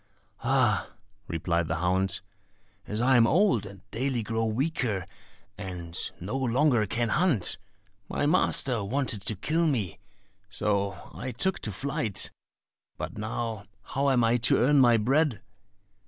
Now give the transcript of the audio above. "Ah," replied the hound, "as I am old, and daily grow weaker, and no longer can hunt, my master wanted to kill me, so I took to flight; but now how am I to earn my bread?"